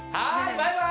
バイバイ！